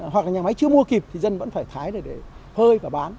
hoặc là nhà máy chưa mua kịp thì dân vẫn phải thái để hơi và bán